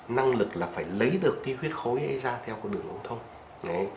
năng lực là phải lấy được cái huyết khối ấy ra theo cái đường ống thông